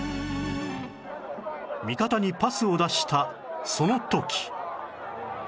味方にパスを出したその時